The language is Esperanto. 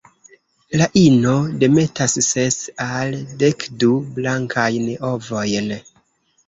La ino demetas ses al dekdu blankajn ovojn.